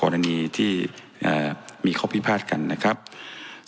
ก็คือไปร้องต่อสารปกครองกลาง